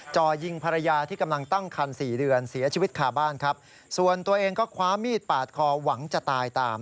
จ่อยิงภรรยาที่กำลังตั้งคันสี่เดือนเสียชีวิตคาบ้านครับส่วนตัวเองก็คว้ามีดปาดคอหวังจะตายตาม